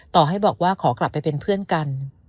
ต่อให้บอกว่าขอกลับไปเป็นเพื่อนกัน